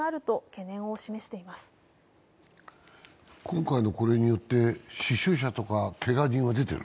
今回のこれによって、死傷者やけが人は出てる？